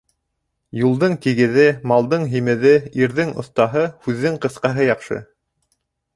Юлдың тигеҙе, малдың һимеҙе, ирҙең оҫтаһы, һүҙҙең ҡыҫҡаһы яҡшы.